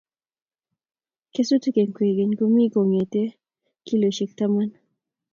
kesutik eng' kwekeny komi kong'eteen kiloisiek taman.